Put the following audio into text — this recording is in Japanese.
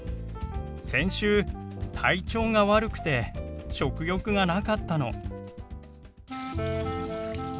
先週体調が悪くて食欲がなかったの。